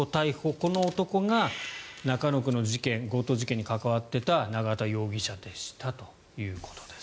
この男が中野区の事件、強盗事件に関わっていた永田容疑者でしたということです。